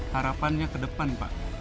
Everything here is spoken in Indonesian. harapannya ke depan pak